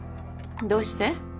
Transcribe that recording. どうして？